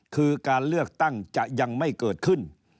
คือการเลือกตั้งจะยังไม่เกิดขึ้น